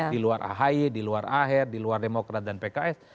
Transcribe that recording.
di luar ahy di luar aher di luar demokrat dan pks